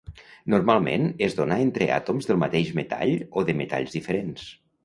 Normalment es dóna entre àtoms del mateix metall o de metalls diferents.